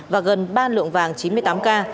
và gần ba lượng vàng chín mươi tám k